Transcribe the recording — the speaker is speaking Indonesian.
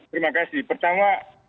terima kasih pertama